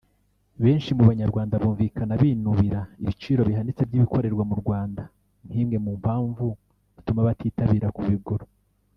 Benshi mu Banyarwanda bumvikana binubira ibiciro bihanitse by’ibikorerwa mu Rwanda nk’imwe mu mpamvu ituma batitabira kubigura